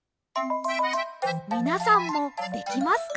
みなさんもできますか？